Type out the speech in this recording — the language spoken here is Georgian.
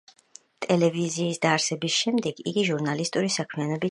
ტელევიზიის დაარსების შემდეგ იგი ჟურნალისტური საქმიანობით დაკავდა.